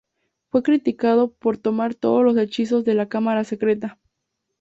Fue criticado por tomar todos los hechizos de "La cámara secreta".